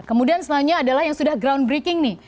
kemudian selanjutnya adalah yang sudah ground breaking nih